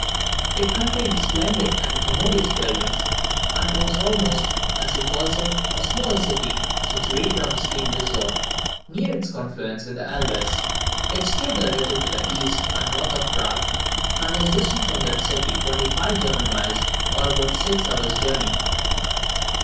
It contained splendid and commodious buildings, and was almost, as he calls it, a small city, situated on the stream Lisor, near its confluence with the Albis. It stood a little to the east and north of Prague, and was distant from that city only five German miles, or about six hours' journey.